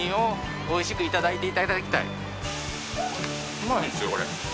うまいんですよこれ。